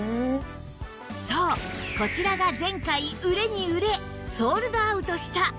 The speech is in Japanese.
そうこちらが前回売れに売れソールドアウトした